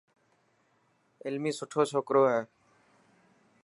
علمي سٺو چوڪرو آهي.